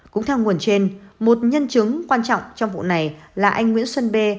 cũng theo nguồn trên một nhân chứng quan trọng trong vụ này là anh nguyễn xuân bê